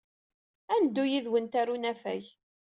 Ad neddu yid-went ɣer unafag.